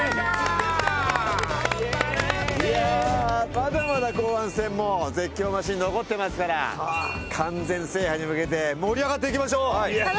まだまだ後半戦、絶叫マシン残ってますから完全制覇に向けて盛り上がっていきましょう！